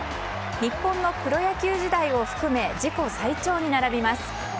日本のプロ野球時代を含め自己最長に並びます。